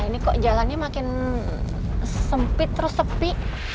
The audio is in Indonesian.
ini kok jalannya makin sempit terus sepi